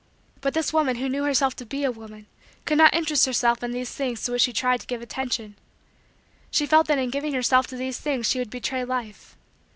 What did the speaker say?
But this woman who knew herself to be a woman could not interest herself in these things to which she tried to give attention. She felt that in giving herself to these things she would betray Life.